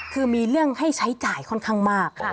คือมีเรื่องให้ใช้จ่ายค่อนข้างมาก